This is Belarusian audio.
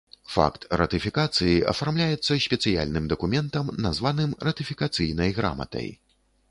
Факт ратыфікацыі афармляецца спецыяльным дакументам, названым ратыфікацыйнай граматай.